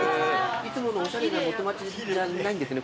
いつものおしゃれな元町じゃないんですね